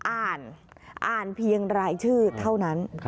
อ่านอ่านเพียงรายชื่อเท่านั้น